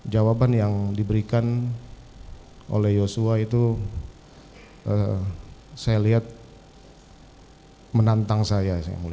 jawaban yang diberikan oleh yosua itu saya lihat menantang saya mulia